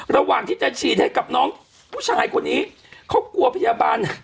ระหว่างที่จะฉีดให้กับน้องผู้ชายคนนี้เขากลัวพยาบาล